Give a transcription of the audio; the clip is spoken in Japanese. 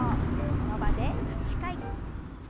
その場で８回。